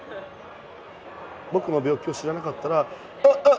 僕の病気を知らなかったらあっあっ